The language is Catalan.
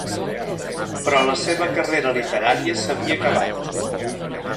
Però la seva carrera literària s'havia acabat.